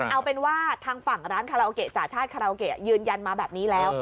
เอาเป็นว่าทางฝั่งร้านคาราโอเกะจ่าชาติคาราโอเกะยืนยันมาแบบนี้แล้ว